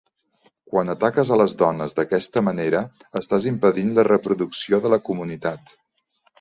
Quan ataques a les dones d'aquesta manera estàs impedint la reproducció de la comunitat.